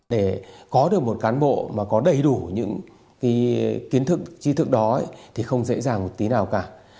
để có được một cán bộ mà có đầy đủ những kiến thức chi thức đó thì không dễ dàng một tí nào cả